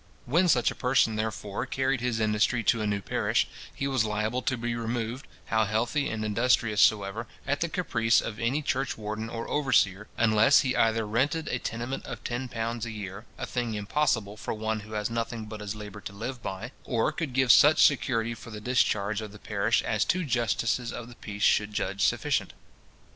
When such a person, therefore, carried his industry to a new parish, he was liable to be removed, how healthy and industrious soever, at the caprice of any churchwarden or overseer, unless he either rented a tenement of ten pounds a year, a thing impossible for one who has nothing but his labour to live by, or could give such security for the discharge of the parish as two justices of the peace should judge sufficient.